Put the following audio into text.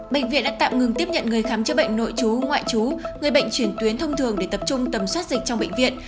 bệnh viện đã tạm ngừng tiếp nhận người khám chữa bệnh nội chú ngoại chú người bệnh chuyển tuyến thông thường để tập trung tầm soát dịch trong bệnh viện